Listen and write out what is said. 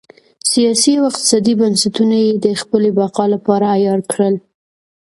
سیاسي او اقتصادي بنسټونه یې د خپلې بقا لپاره عیار کړل.